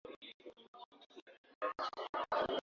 watu wote wanaoishi na virusi vya ukimwi hukumbwa na hali hiyo